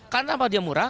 kenapa dia murah